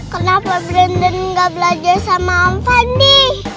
kenapa brandon gak belajar sama om pandi